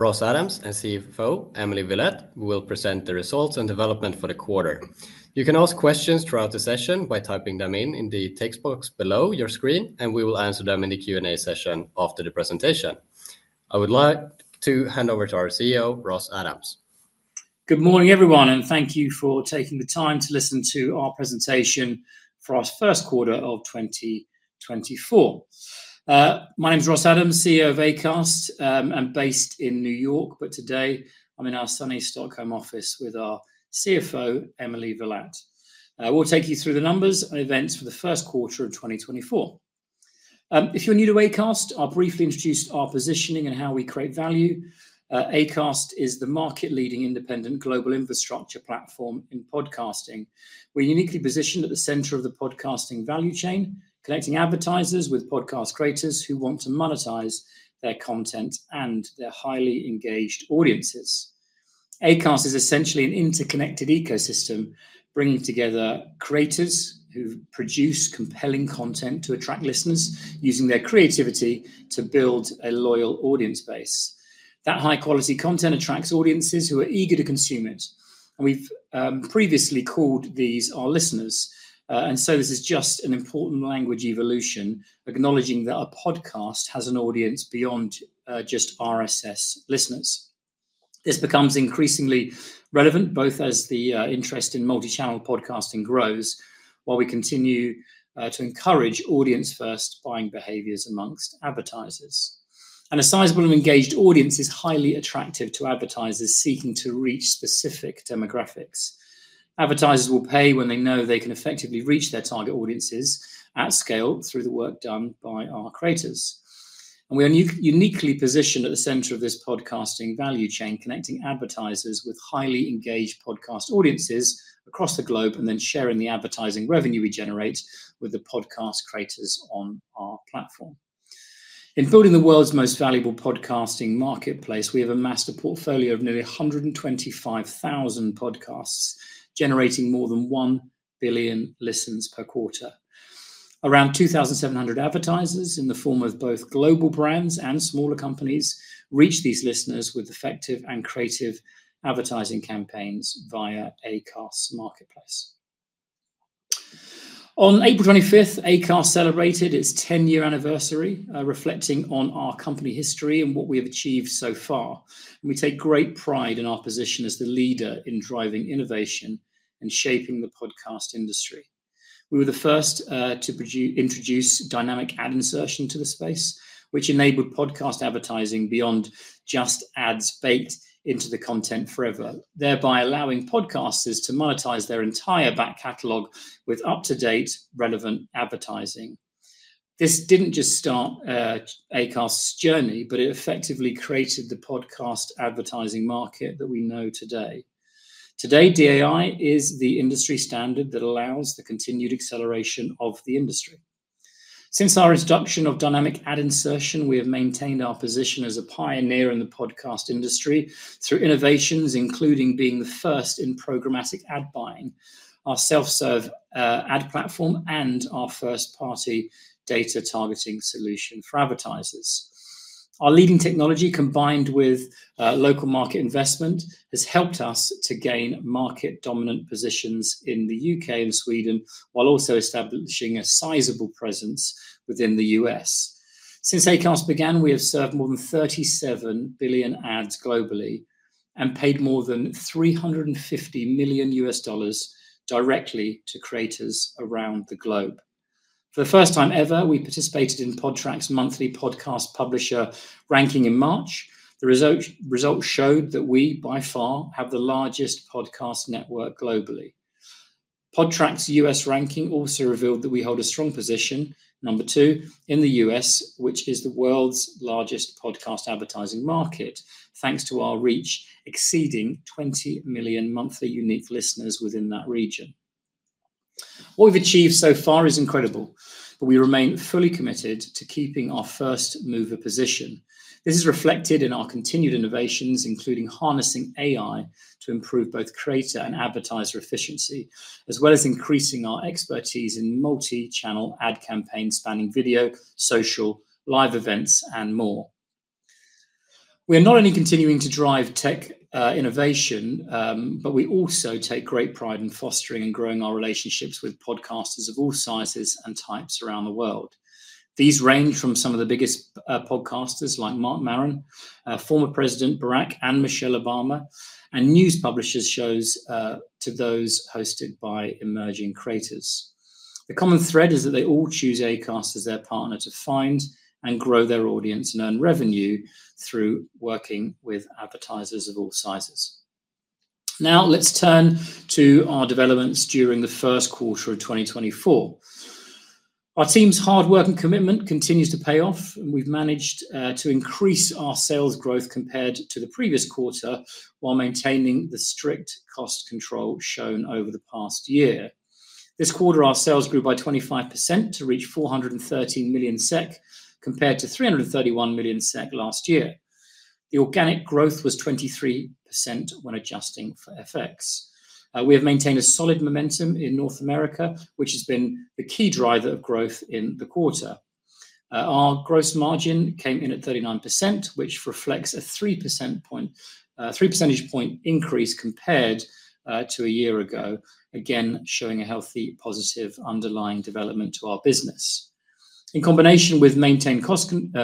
Ross Adams and CFO, Emily Villatte, will present the results and development for the quarter. You can ask questions throughout the session by typing them in, in the text box below your screen, and we will answer them in the Q&A session after the presentation. I would like to hand over to our CEO, Ross Adams. Good morning, everyone, and thank you for taking the time to listen to our presentation for our first quarter of 2024. My name is Ross Adams, CEO of Acast, I'm based in New York, but today I'm in our sunny Stockholm office with our CFO, Emily Villatte. We'll take you through the numbers and events for the first quarter of 2024. If you're new to Acast, I'll briefly introduce our positioning and how we create value. Acast is the market-leading independent global infrastructure platform in podcasting. We're uniquely positioned at the center of the podcasting value chain, connecting advertisers with podcast creators who want to monetize their content and their highly engaged audiences. Acast is essentially an interconnected ecosystem, bringing together creators who produce compelling content to attract listeners, using their creativity to build a loyal audience base. That high-quality content attracts audiences who are eager to consume it, and we've previously called these our listeners. And so this is just an important language evolution, acknowledging that a podcast has an audience beyond just RSS listeners. This becomes increasingly relevant, both as the interest in multi-channel podcasting grows, while we continue to encourage audience-first buying behaviors amongst advertisers. And a sizable and engaged audience is highly attractive to advertisers seeking to reach specific demographics. Advertisers will pay when they know they can effectively reach their target audiences at scale through the work done by our creators. And we are uniquely positioned at the center of this podcasting value chain, connecting advertisers with highly engaged podcast audiences across the globe, and then sharing the advertising revenue we generate with the podcast creators on our platform. In building the world's most valuable podcasting marketplace, we have amassed a portfolio of nearly 125,000 podcasts, generating more than one billion listens per quarter. Around 2,700 advertisers, in the form of both global brands and smaller companies, reach these listeners with effective and creative advertising campaigns via Acast's marketplace. On April 25, Acast celebrated its 10-year anniversary, reflecting on our company history and what we have achieved so far. We take great pride in our position as the leader in driving innovation and shaping the podcast industry. We were the first to introduce dynamic ad insertion to the space, which enabled podcast advertising beyond just ads baked into the content forever, thereby allowing podcasters to monetize their entire back catalog with up-to-date, relevant advertising. This didn't just start Acast's journey, but it effectively created the podcast advertising market that we know today. Today, DAI is the industry standard that allows the continued acceleration of the industry. Since our introduction of dynamic ad insertion, we have maintained our position as a pioneer in the podcast industry through innovations, including being the first in programmatic ad buying, our self-serve ad platform, and our first-party data targeting solution for advertisers. Our leading technology, combined with local market investment, has helped us to gain market dominant positions in the U.K. and Sweden, while also establishing a sizable presence within the U.S. Since Acast began, we have served more than 37 billion ads globally and paid more than $350 million directly to creators around the globe. For the first time ever, we participated in Podtrac's monthly podcast publisher ranking in March. Results showed that we, by far, have the largest podcast network globally. Podtrac's U.S. ranking also revealed that we hold a strong position, number two, in the U.S., which is the world's largest podcast advertising market, thanks to our reach exceeding 20 million monthly unique listeners within that region. What we've achieved so far is incredible, but we remain fully committed to keeping our first-mover position. This is reflected in our continued innovations, including harnessing AI to improve both creator and advertiser efficiency, as well as increasing our expertise in multi-channel ad campaigns, spanning video, social, live events, and more. We are not only continuing to drive tech innovation, but we also take great pride in fostering and growing our relationships with podcasters of all sizes and types around the world. These range from some of the biggest, podcasters, like Marc Maron, former President Barack and Michelle Obama, and news publishers shows, to those hosted by emerging creators. The common thread is that they all choose Acast as their partner to find and grow their audience and earn revenue through working with advertisers of all sizes. Now, let's turn to our developments during the first quarter of 2024. Our team's hard work and commitment continues to pay off, and we've managed, to increase our sales growth compared to the previous quarter, while maintaining the strict cost control shown over the past year. This quarter, our sales grew by 25% to reach 413 million SEK, compared to 331 million SEK last year. The organic growth was 23% when adjusting for FX. We have maintained a solid momentum in North America, which has been the key driver of growth in the quarter. Our gross margin came in at 39%, which reflects a three percentage point increase compared to a year ago. Again, showing a healthy, positive underlying development to our business. In combination with maintained cost control,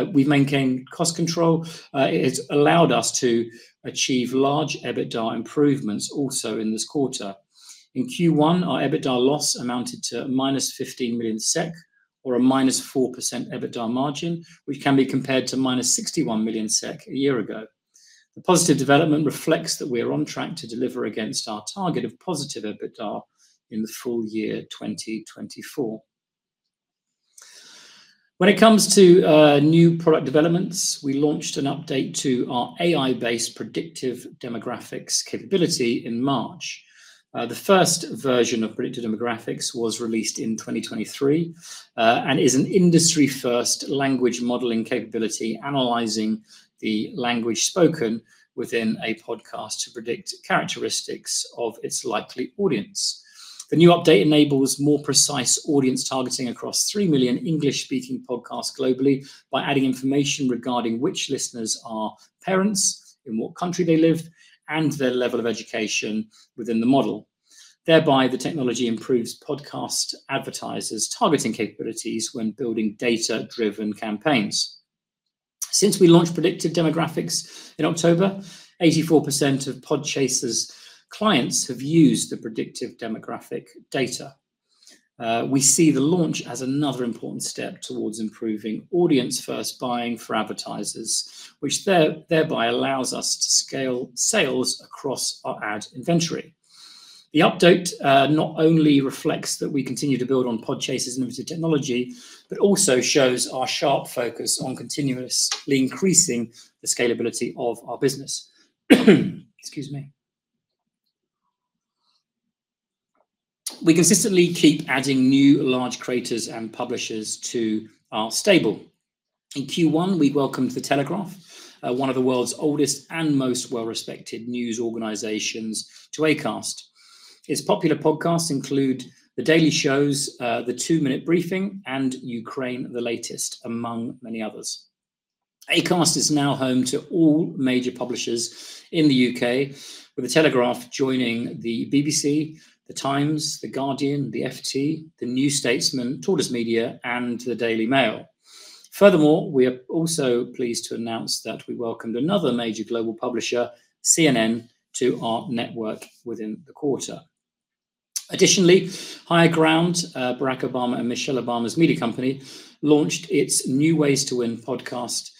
it's allowed us to achieve large EBITDA improvements also in this quarter. In Q1, our EBITDA loss amounted to -15 million SEK, or a -4% EBITDA margin, which can be compared to -61 million SEK a year ago. The positive development reflects that we are on track to deliver against our target of positive EBITDA in the full year 2024. When it comes to new product developments, we launched an update to our AI-based Predictive Demographics capability in March. The first version of Predictive Demographics was released in 2023, and is an industry-first language modeling capability, analyzing the language spoken within a podcast to predict characteristics of its likely audience. The new update enables more precise audience targeting across three million English-speaking podcasts globally, by adding information regarding which listeners are parents, in what country they live, and their level of education within the model. Thereby, the technology improves podcast advertisers' targeting capabilities when building data-driven campaigns. Since we launched Predictive Demographics in October, 84% of Podchaser's clients have used the Predictive Demographics data. We see the launch as another important step towards improving audience-first buying for advertisers, which thereby allows us to scale sales across our ad inventory. The update, not only reflects that we continue to build on Podchaser's innovative technology, but also shows our sharp focus on continuously increasing the scalability of our business. Excuse me. We consistently keep adding new large creators and publishers to our stable. In Q1, we welcomed The Telegraph, one of the world's oldest and most well-respected news organizations, to Acast. Its popular podcasts include the daily shows, the Two-Minute Briefing and Ukraine: The Latest, among many others. Acast is now home to all major publishers in the UK, with The Telegraph joining the BBC, The Times, The Guardian, The FT, The New Statesman, Tortoise Media, and The Daily Mail. Furthermore, we are also pleased to announce that we welcomed another major global publisher, CNN, to our network within the quarter. Additionally, Higher Ground, Barack Obama and Michelle Obama's media company, launched its new Ways to Win podcast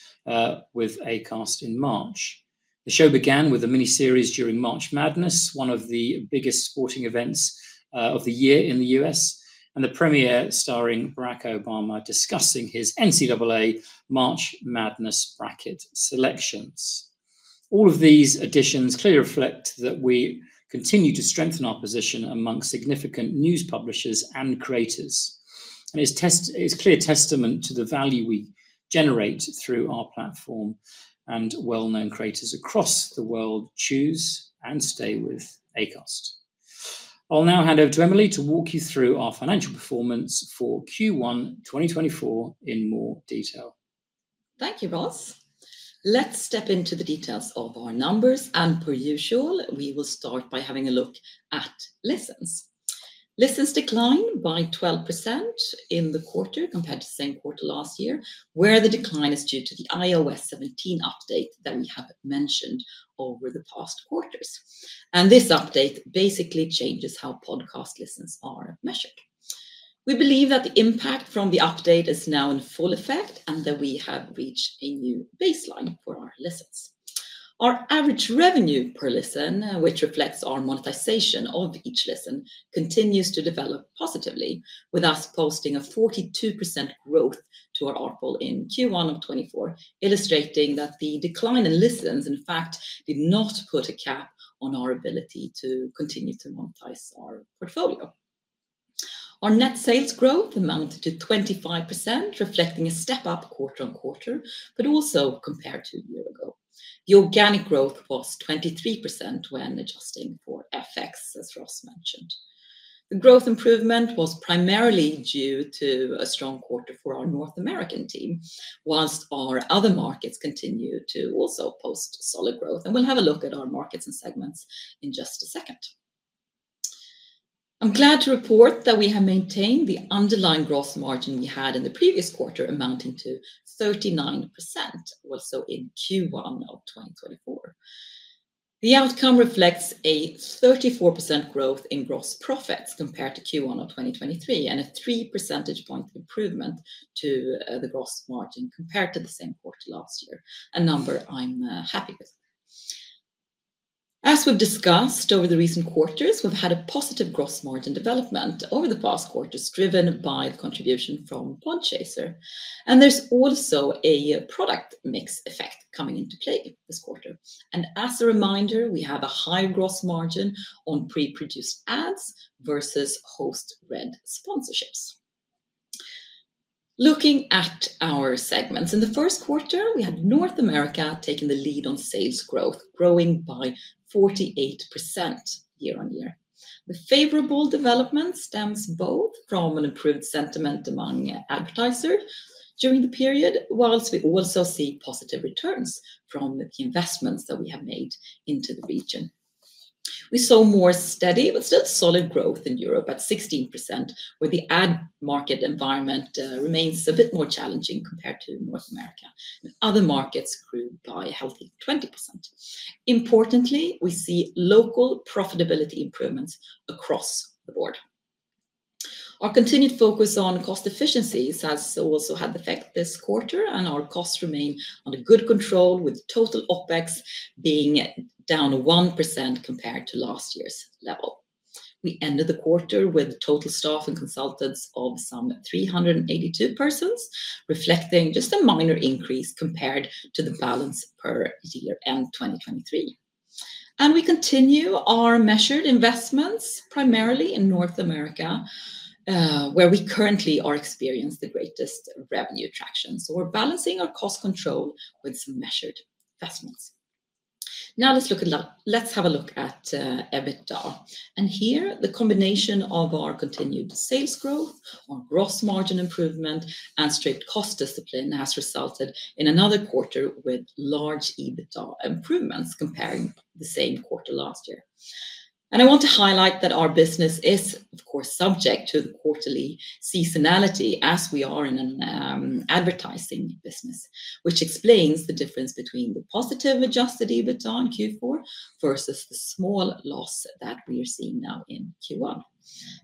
with Acast in March. The show began with a miniseries during March Madness, one of the biggest sporting events of the year in the US, and the premiere starring Barack Obama, discussing his NCAA March Madness bracket selections. All of these additions clearly reflect that we continue to strengthen our position amongst significant news publishers and creators, and it's clear testament to the value we generate through our platform, and well-known creators across the world choose and stay with Acast. I'll now hand over to Emily to walk you through our financial performance for Q1, 2024, in more detail. Thank you, Ross. Let's step into the details of our numbers, and per usual, we will start by having a look at listens. Listens declined by 12% in the quarter compared to the same quarter last year, where the decline is due to the iOS 17 update that we have mentioned over the past quarters. And this update basically changes how podcast listens are measured. We believe that the impact from the update is now in full effect, and that we have reached a new baseline for our listens. Our average revenue per listen, which reflects our monetization of each listen, continues to develop positively, with us posting a 42% growth to our ARPL in Q1 of 2024, illustrating that the decline in listens, in fact, did not put a cap on our ability to continue to monetize our portfolio. Our net sales growth amounted to 25%, reflecting a step up quarter-on-quarter, but also compared to a year ago. The organic growth was 23% when adjusting for FX, as Ross mentioned. The growth improvement was primarily due to a strong quarter for our North American team, while our other markets continued to also post solid growth, and we'll have a look at our markets and segments in just a second. I'm glad to report that we have maintained the underlying gross margin we had in the previous quarter, amounting to 39% also in Q1 of 2024. The outcome reflects a 34% growth in gross profits compared to Q1 of 2023, and a three percentage point improvement to the gross margin compared to the same quarter last year, a number I'm happy with. As we've discussed over the recent quarters, we've had a positive gross margin development over the past quarters, driven by the contribution from Podchaser, and there's also a product mix effect coming into play this quarter. As a reminder, we have a high gross margin on pre-produced ads versus host-read sponsorships. Looking at our segments, in the first quarter, we had North America taking the lead on sales growth, growing by 48% year-on-year. The favorable development stems both from an improved sentiment among advertisers during the period, while we also see positive returns from the investments that we have made into the region. We saw more steady, but still solid, growth in Europe at 16%, where the ad market environment remains a bit more challenging compared to North America. Other markets grew by a healthy 20%. Importantly, we see local profitability improvements across the board. Our continued focus on cost efficiencies has also had the effect this quarter, and our costs remain under good control, with total OPEX being down 1% compared to last year's level. We ended the quarter with total staff and consultants of some 382 persons, reflecting just a minor increase compared to the balance per year end, 2023. We continue our measured investments, primarily in North America, where we currently are experienced the greatest revenue traction. So we're balancing our cost control with some measured investments. Now, let's have a look at EBITDA. Here, the combination of our continued sales growth, our gross margin improvement, and strict cost discipline, has resulted in another quarter with large EBITDA improvements comparing the same quarter last year. I want to highlight that our business is, of course, subject to the quarterly seasonality, as we are in an advertising business, which explains the difference between the positive adjusted EBITDA in Q4 versus the small loss that we are seeing now in Q1.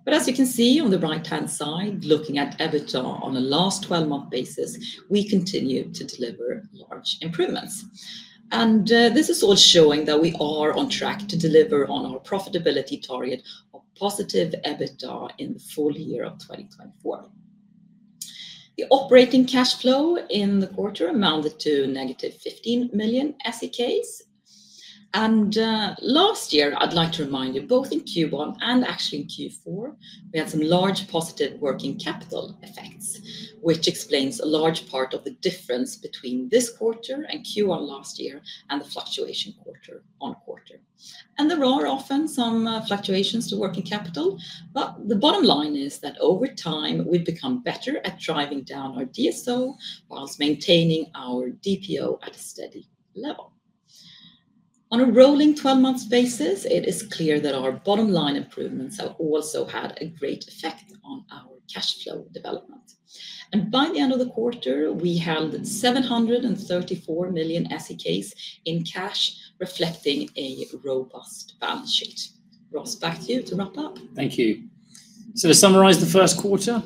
But as you can see on the right-hand side, looking at EBITDA on a last twelve-month basis, we continue to deliver large improvements. And this is all showing that we are on track to deliver on our profitability target of positive EBITDA in the full year of 2024. The operating cash flow in the quarter amounted to -15 million SEK. Last year, I'd like to remind you, both in Q1 and actually in Q4, we had some large positive working capital effects, which explains a large part of the difference between this quarter and Q1 last year, and the fluctuation quarter-on-quarter. There are often some fluctuations to working capital, but the bottom line is that over time, we've become better at driving down our DSO while maintaining our DPO at a steady level. On a rolling 12-month basis, it is clear that our bottom line improvements have also had a great effect on our cash flow development. By the end of the quarter, we held 734 million SEK in cash, reflecting a robust balance sheet. Ross, back to you to wrap up. Thank you. So to summarize the first quarter,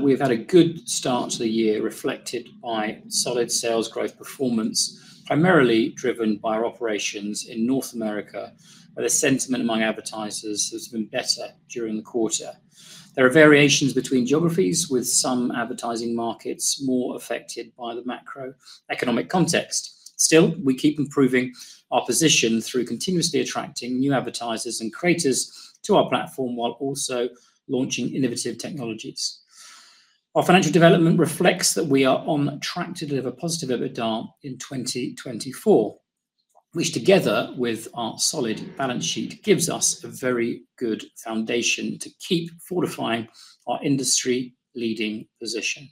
we've had a good start to the year, reflected by solid sales growth performance, primarily driven by our operations in North America, where the sentiment among advertisers has been better during the quarter. There are variations between geographies, with some advertising markets more affected by the macroeconomic context. Still, we keep improving our position through continuously attracting new advertisers and creators to our platform, while also launching innovative technologies. Our financial development reflects that we are on track to deliver positive EBITDA in 2024, which together with our solid balance sheet, gives us a very good foundation to keep fortifying our industry-leading position.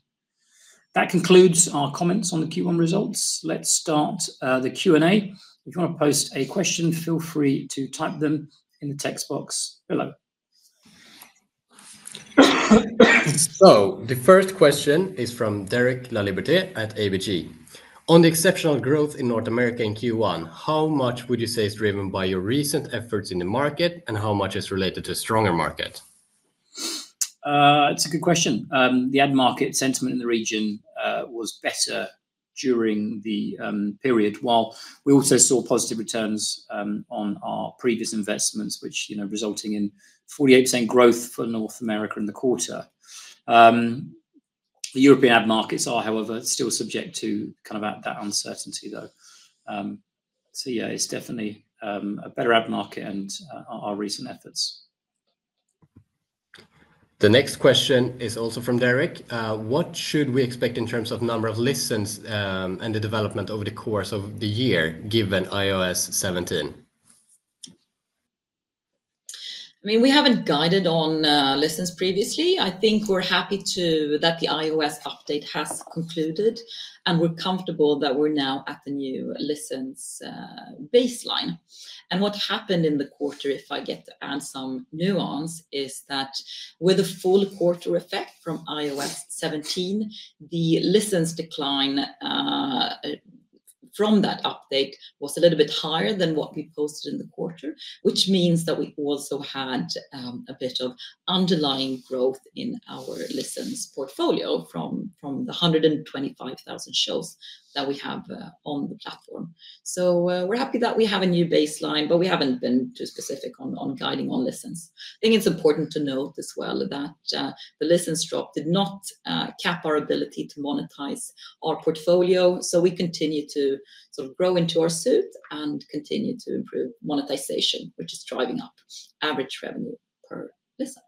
That concludes our comments on the Q1 results. Let's start the Q&A. If you want to post a question, feel free to type them in the text box below. The first question is from Derek Laliberte at ABG. On the exceptional growth in North America in Q1, how much would you say is driven by your recent efforts in the market, and how much is related to stronger market? That's a good question. The ad market sentiment in the region was better during the period, while we also saw positive returns on our previous investments, which, you know, resulting in 48% growth for North America in the quarter. The European ad markets are, however, still subject to kind of at that uncertainty, though. So yeah, it's definitely a better ad market and our recent efforts. The next question is also from Derek. What should we expect in terms of number of listens, and the development over the course of the year, given iOS 17? I mean, we haven't guided on listens previously. I think we're happy to... that the iOS 17 update has concluded, and we're comfortable that we're now at the new listens baseline. And what happened in the quarter, if I get to add some nuance, is that with a full quarter effect from iOS 17, the listens decline from that update was a little bit higher than what we posted in the quarter. Which means that we also had a bit of underlying growth in our listens portfolio from the 125,000 shows that we have on the platform. So, we're happy that we have a new baseline, but we haven't been too specific on guiding on listens. I think it's important to note as well, that the listens drop did not cap our ability to monetize our portfolio. We continue to sort of grow into our stride, and continue to improve monetization, which is driving up average revenue per listen. ...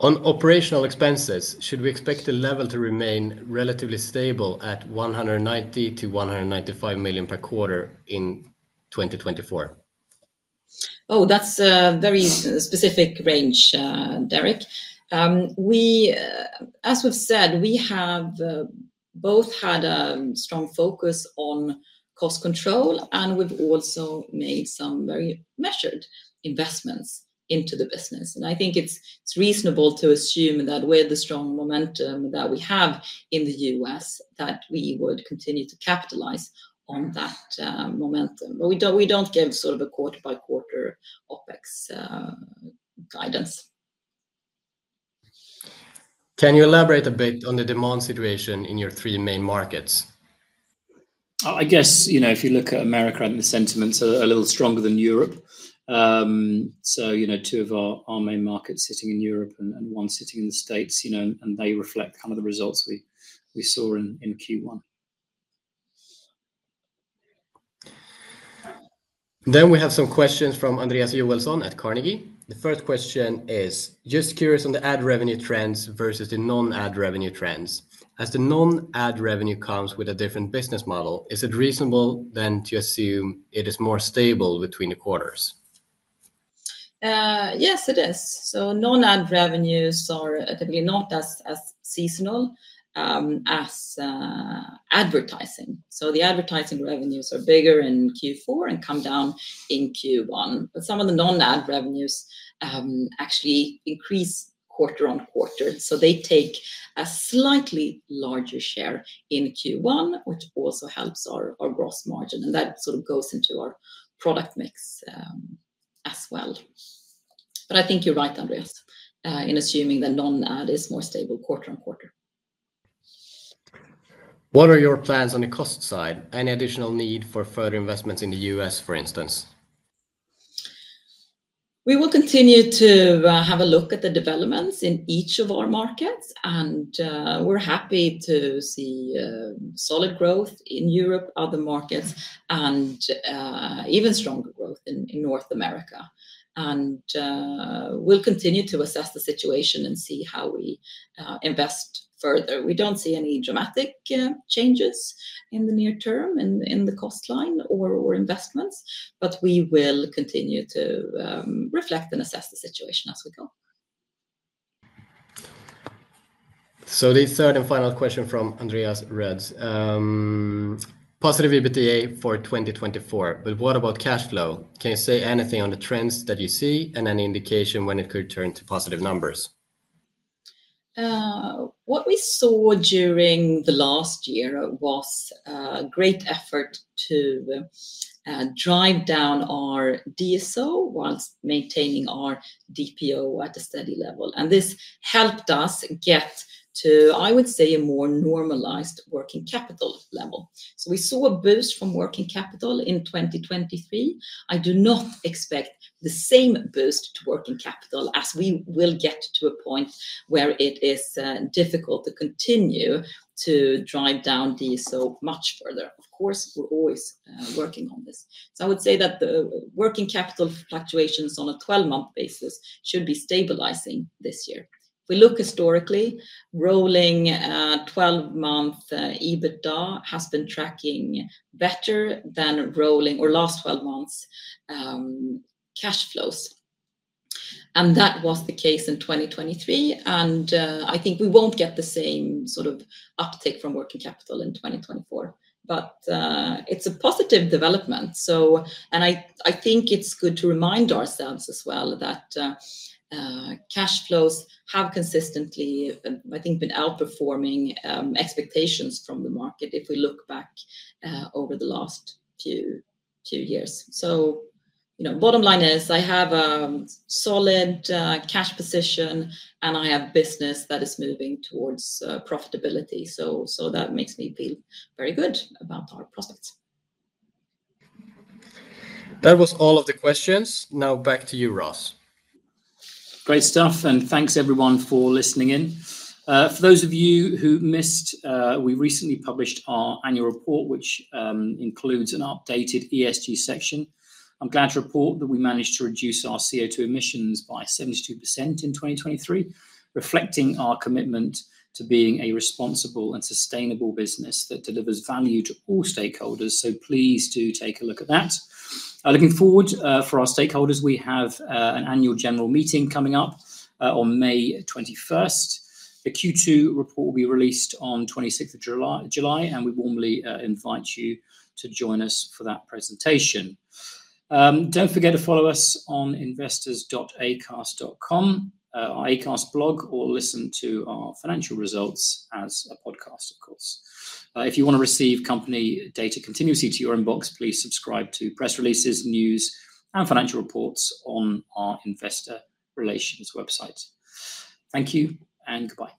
On operational expenses, should we expect the level to remain relatively stable at 190-195 million per quarter in 2024? Oh, that's a very specific range, Derek. We, as we've said, we have both had a strong focus on cost control, and we've also made some very measured investments into the business, and I think it's reasonable to assume that with the strong momentum that we have in the U.S., that we would continue to capitalize on that momentum. But we don't give sort of a quarter-by-quarter OPEX guidance. Can you elaborate a bit on the demand situation in your three main markets? I guess, you know, if you look at America, the sentiment's a little stronger than Europe. So, you know, two of our main markets sitting in Europe and one sitting in the States, you know, and they reflect kind of the results we saw in Q1. Then we have some questions from Andreas Johnsson at Carnegie. The first question is: just curious on the ad revenue trends versus the non-ad revenue trends. As the non-ad revenue comes with a different business model, is it reasonable then to assume it is more stable between the quarters? Yes, it is. So non-ad revenues are typically not as seasonal as advertising. So the advertising revenues are bigger in Q4 and come down in Q1, but some of the non-ad revenues actually increase quarter on quarter. So they take a slightly larger share in Q1, which also helps our gross margin, and that sort of goes into our product mix as well. But I think you're right, Andreas, in assuming that non-ad is more stable quarter on quarter. What are your plans on the cost side? Any additional need for further investments in the U.S., for instance? We will continue to have a look at the developments in each of our markets, and we're happy to see solid growth in Europe, other markets, and even stronger growth in North America. We'll continue to assess the situation and see how we invest further. We don't see any dramatic changes in the near term in the cost line or investments, but we will continue to reflect and assess the situation as we go. So the third and final question from Andreas Johansson. Positive EBITDA for 2024, but what about cash flow? Can you say anything on the trends that you see, and any indication when it could turn to positive numbers? What we saw during the last year was great effort to drive down our DSO while maintaining our DPO at a steady level, and this helped us get to, I would say, a more normalized working capital level. So we saw a boost from working capital in 2023. I do not expect the same boost to working capital, as we will get to a point where it is difficult to continue to drive down DSO much further. Of course, we're always working on this. So I would say that the working capital fluctuations on a 12-month basis should be stabilizing this year. If we look historically, rolling twelve-month EBITDA has been tracking better than rolling or last twelve months cash flows, and that was the case in 2023, and I think we won't get the same sort of uptick from working capital in 2024. But it's a positive development, so and I think it's good to remind ourselves as well that cash flows have consistently, I think, been outperforming expectations from the market if we look back over the last few years. So, you know, bottom line is I have a solid cash position, and I have business that is moving towards profitability, so that makes me feel very good about our prospects. That was all of the questions. Now back to you, Ross. Great stuff, and thanks, everyone, for listening in. For those of you who missed, we recently published our annual report, which includes an updated ESG section. I'm glad to report that we managed to reduce our CO2 emissions by 72% in 2023, reflecting our commitment to being a responsible and sustainable business that delivers value to all stakeholders, so please do take a look at that. Looking forward, for our stakeholders, we have an annual general meeting coming up on May 21st. The Q2 report will be released on 26th of July, and we warmly invite you to join us for that presentation. Don't forget to follow us on investors.acast.com, our Acast blog, or listen to our financial results as a podcast, of course. If you wanna receive company data continuously to your inbox, please subscribe to press releases, news, and financial reports on our investor relations website. Thank you, and goodbye.